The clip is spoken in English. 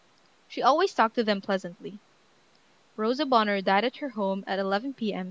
She always talked to them pleasantly. Rosa Bonheur died at her home at 11 P.M.